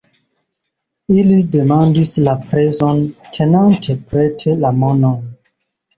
Ili demandis La prezon, tenante prete la monon.